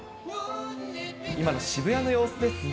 今の渋谷の様子ですね。